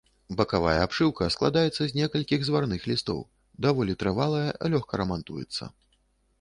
Бакавая абшыўка складаецца з некалькіх зварных лістоў, даволі трывалая, лёгка рамантуецца.